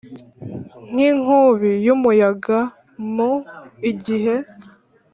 Nk inkubi y umuyaga m igihe